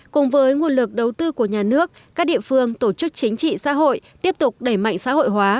cùng với nguồn lực đầu tư của nhà nước các địa phương tổ chức chính trị xã hội tiếp tục đẩy mạnh xã hội hóa